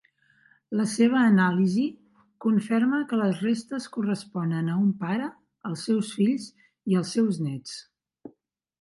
La seva anàlisi conferma que les restes corresponen a un pare, els seus fills i els seus néts.